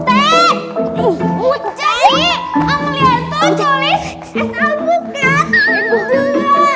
kamu lihat tuh tulis s a bukan